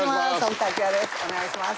お願いします。